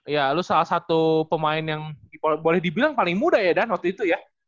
ya lu salah satu pemain yang boleh dibilang paling muda ya dan waktu itu ya